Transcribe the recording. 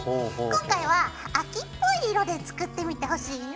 今回は秋っぽい色で作ってみてほしいな。